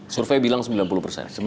survei bilang sembilan puluh persen